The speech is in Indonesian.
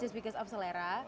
hanya karena selera